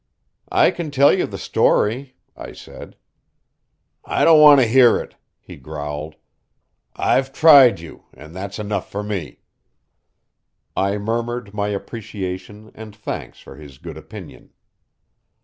"I can tell you the story," I said. "I don't want to hear it," he growled. "I've tried you, and that's enough for me." I murmured my appreciation and thanks for his good opinion.